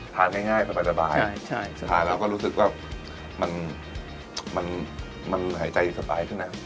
ทานง่ายง่ายสบายสบายใช่ใช่สบายทานแล้วก็รู้สึกว่ามันมันมันหายใจสบายขึ้นอ่ะ